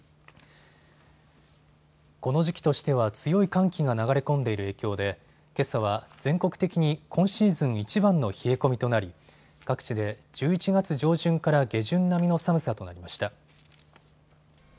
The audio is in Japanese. この時期としては強い寒気が流れ込んでいる影響でけさは全国的に今シーズンいちばんの冷え込みとなり各地で１１月上旬から下旬並みの寒さとなりました。